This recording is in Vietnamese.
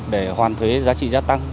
để hoàn thuế giá trị gia tăng